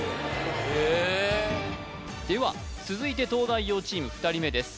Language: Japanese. へえでは続いて東大王チーム２人目です